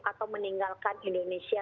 atau meninggalkan indonesia